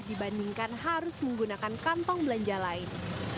dibandingkan harus menggunakan kantong belanja lain